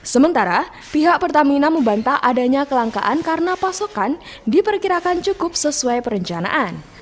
sementara pihak pertamina membantah adanya kelangkaan karena pasokan diperkirakan cukup sesuai perencanaan